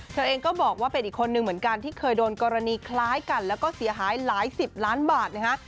เธอเองก็บอกว่าเป็นอีกคนนึงเหมือนกันที่เคยโดนกรณีคล้ายกันแล้วก็เสียหายหลายสิบล้านบาทนะฮะ